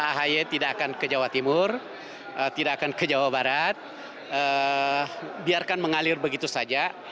ahy tidak akan ke jawa timur tidak akan ke jawa barat biarkan mengalir begitu saja